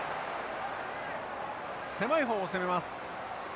狭い方を攻めます。